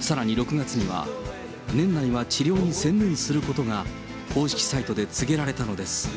さらに６月には、年内は治療に専念することが公式サイトで告げられたのです。